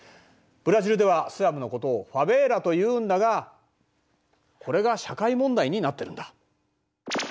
ブラジルではスラムのことをファベーラというんだがこれが社会問題になってるんだ。